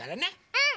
うん！